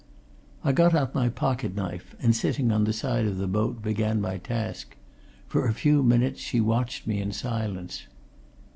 I got out my pocket knife and sitting on the side of the boat began my task; for a few minutes she watched me, in silence.